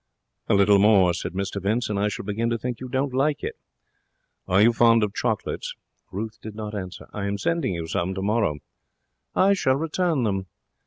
'A little more,' said Mr Vince, 'and I shall begin to think you don't like it. Are you fond of chocolates?' Ruth did not answer. 'I am sending you some tomorrow.' 'I shall return them.'